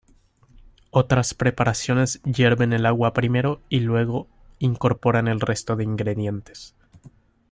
Otras preparaciones hierven el agua primero y luego incorporan el resto de ingredientes.